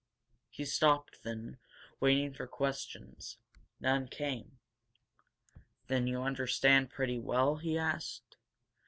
He stopped then, waiting for questions. None came. "Then you understand pretty well?" he asked.